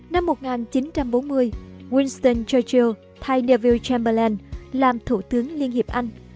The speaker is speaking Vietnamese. năm một nghìn chín trăm bốn mươi winston churchill thay neville chamberlain làm thủ tướng liên hiệp anh